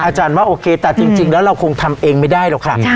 อาจารย์ว่าโอเคแต่จริงแล้วเราคงทำเองไม่ได้หรอกค่ะ